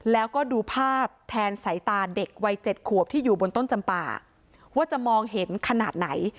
แล้วก็ดูภาพแทนสายตาเด็กวัย๗ขวบที่อยู่บนต้นจำป่าว่าจะมองเห็นขนาดไหน